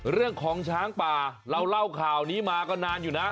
เรื่องของช้างป่าเราเล่าข่าวนี้มาก็นานอยู่นะ